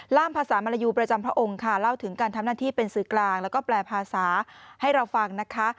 ล่ามภาษามรยูประจำพระองค์ค่ะเล่าถึงการทำหน้าที่เป็นสื่อกลางแล้วก็แปลภาษาให้เราฟังนะคะ